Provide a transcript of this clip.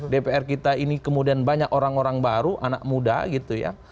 dpr kita ini kemudian banyak orang orang baru anak muda gitu ya